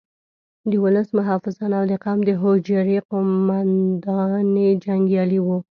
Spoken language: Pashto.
د ولس محافظان او د قوم د حجرې قوماندې جنګیالي وو.